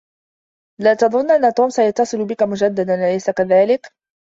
لا تظن أن توم سيتصل بك مجددا، أليس كذلك؟